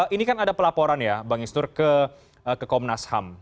ini kan ada pelaporan ya bang isnur ke komnas ham